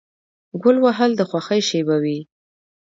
ګول وهل د خوښۍ شیبه وي.